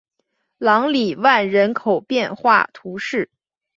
朗里万人口变化图示